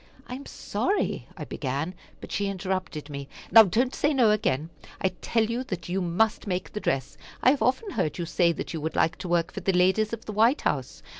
"I am sorry," I began, but she interrupted me. "Now don't say no again. I tell you that you must make the dress. I have often heard you say that you would like to work for the ladies of the White House.